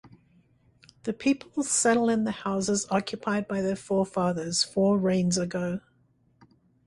The people settle in the houses occupied by their forefathers four reigns ago.